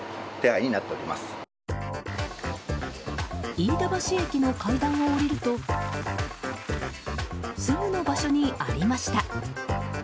飯田橋駅の階段を降りるとすぐの場所にありました。